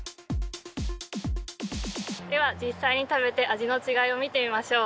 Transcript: では実際に食べて味の違いを見てみましょう。